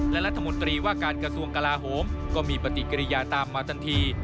และรัฐมนตรีว่าการกระทรวงกลาโหมก็มีปฏิกิริยาตามมาทันที